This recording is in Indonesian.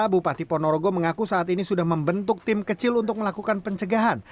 bupati ponorogo mengaku saat ini sudah membentuk tim kecil untuk melakukan pencegahan